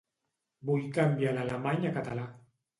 Vull canviar l'alemany a català.